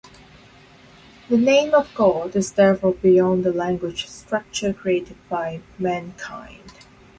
The name of God is therefore beyond the language structure created by mankind.